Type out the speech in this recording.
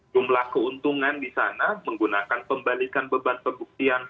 jumlah keuntungan di sana menggunakan pembalikan beban pembuktian